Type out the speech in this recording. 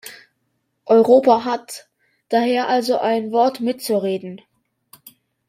Europa hat daher also ein Wort mitzureden.